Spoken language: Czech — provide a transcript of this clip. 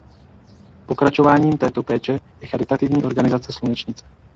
Pokračováním této péče je charitativní organizace Slunečnice.